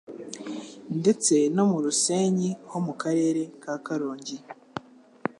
ndetse no mu Rusenyi ho mu Karere ka Karongi.